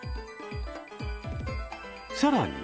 さらに。